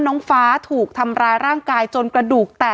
น้องฟ้าถูกทำร้ายร่างกายจนกระดูกแตก